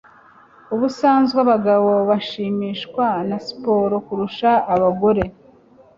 Ubusanzwe abagabo bashimishwa na siporo kurusha abagore